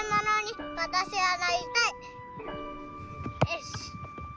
よし！